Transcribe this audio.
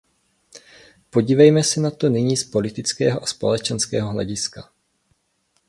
Podívejme se na to nyní z politického a společenského hlediska.